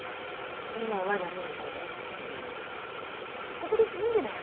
ここで涼んでなよ。